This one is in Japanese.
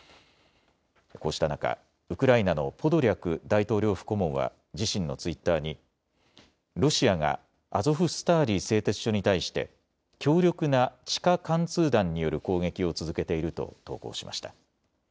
こうした中、ウクライナのポドリャク大統領府顧問は自身のツイッターにロシアがアゾフスターリ製鉄所に対して強力な地下貫通弾による攻撃を続けていると投稿しました。